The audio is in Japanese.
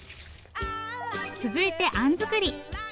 続いてあん作り。